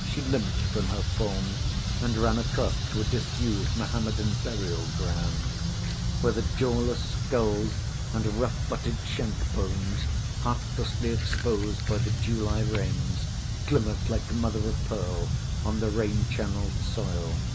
She limped from her form and ran across to a disused Mahomedan burial ground, where the jawless skulls and rough butted shank bones, heartlessly exposed by the July rains, glimmered like mother o’ pearl on the rain channelled soil.